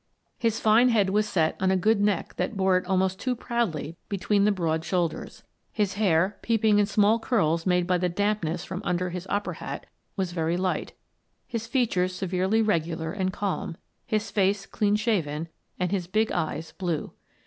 His fine head was set on a good neck that bore it almost too proudly between the broad shoulders; his hair, peeping in small curls made by the damp ness from under his opera hat, was very light ; his features severely regular and calm, his face clean shaven, and his big eyes blue.